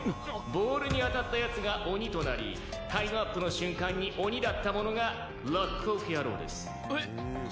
ボールに当たったやつが鬼となりタイムアップの瞬間に鬼だった者がロックオフ野郎です。